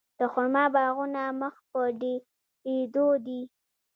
د خرما باغونه مخ په ډیریدو دي.